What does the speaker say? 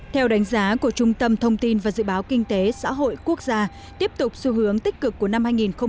theo đánh giá của trung tâm thông tin và dự báo kinh tế xã hội quốc gia tiếp tục xu hướng tích cực của năm hai nghìn hai mươi